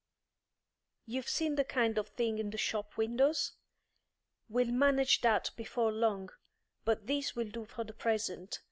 You've seen the kind of thing in the shop windows? We'll manage that before long, but this will do for the present.